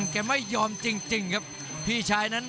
แกไม่ยอมจริงครับพี่ชายนั้น